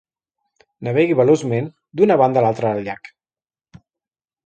Navegui veloçment d'una banda a l'altra del llac.